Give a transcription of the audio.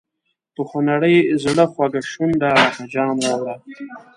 په خونړي زړه خوږه شونډه لکه جام راوړه.